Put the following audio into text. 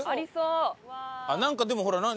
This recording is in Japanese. なんかでもほら何？